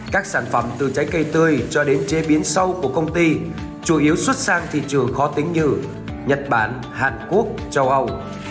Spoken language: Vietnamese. các sản phẩm từ trái cây tươi cho đến chế biến sâu của công ty chủ yếu xuất sang thị trường khó tính như nhật bản hàn quốc châu âu